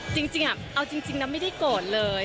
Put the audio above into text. จริงเอาจริงนะไม่ได้โกรธเลย